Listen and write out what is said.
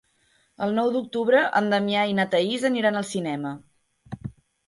El nou d'octubre en Damià i na Thaís aniran al cinema.